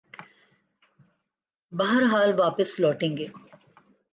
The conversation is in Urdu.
بہرحال واپس لوٹیں گے۔